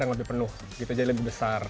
yang lebih penuh gitu jadi lebih besar